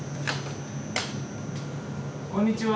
こんにちは。